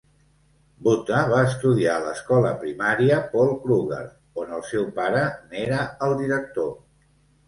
Botha va estudiar a l'escola primària Paul Kruger, on el seu pare n'era el director.